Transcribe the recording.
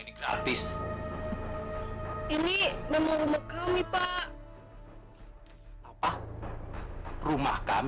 bila diuiness ainah tau